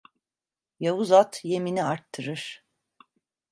Yavuz at yemini artırır.